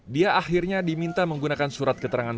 dia akhirnya diminta menggunakan surat keterangan